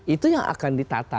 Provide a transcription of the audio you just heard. itu akan ditata